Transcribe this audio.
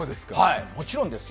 もちろんですよ。